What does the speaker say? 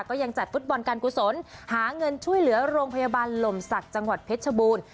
ก็ยังจัดฟุตบอลการกุศลหาเงินช่วยเหลือโรงพยาบาลลมศักดิ์จังหวัดเพชรชบูรณ์